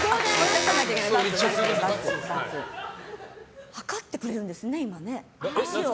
今、測ってくれるんですね。